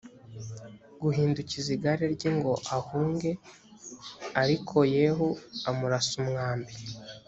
guhindukiza igare rye ngo ahunge arikoyehu amurasa umwambi